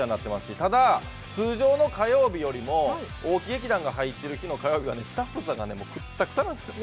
ただ、通常の火曜日よりも大木劇団が入ってる日の火曜日はスタッフさんが、くったくたなんですよ。